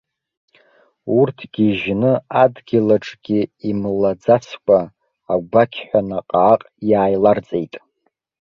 Урҭ гьежьны адгьыл аҿгьы имлаӡацкәа, агәақьҳәа наҟ-ааҟ иааиларҵеит.